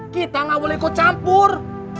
kita nggak boleh ikut campur